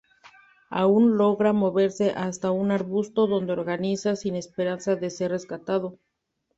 Aun logra moverse hasta un arbusto donde agoniza sin esperanza de ser rescatado.